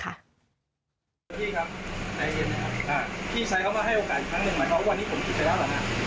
พี่ครับใจเย็นนะครับพี่ชายเขามาให้โอกาสอีกครั้งหนึ่งหมายความว่าวันนี้ผมผิดไปแล้วเหรอฮะ